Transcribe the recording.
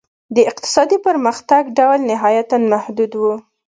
د اقتصادي پرمختګ ډول نهایتاً محدود و.